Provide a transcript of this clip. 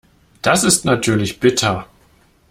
Das ist natürlich bitter.